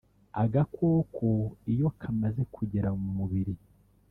agakoko iyo kamaze kugera mu mubiri